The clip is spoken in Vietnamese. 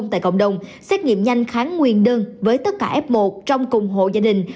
tại cộng đồng xét nghiệm nhanh kháng nguyên đơn với tất cả f một trong cùng hộ gia đình